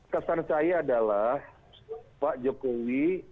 kesan saya adalah pak jokowi